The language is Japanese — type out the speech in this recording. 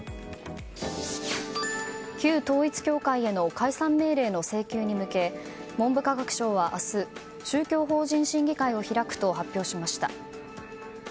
旧統一教会への解散命令の請求に向け文部科学省は明日宗教法人審議会を開くと発表しました。